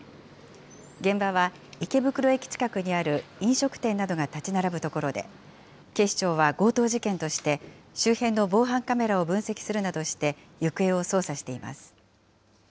現場は池袋駅近くにある飲食店などが建ち並ぶ所で、警視庁は強盗事件として、周辺の防犯カメラを分析するなどして、行方を捜査しています。